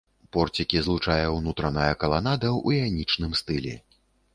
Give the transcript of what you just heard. Порцікі злучае ўнутраная каланада ў іанічным стылі.